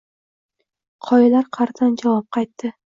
Qoyalar qaʼridan javob qaytdi: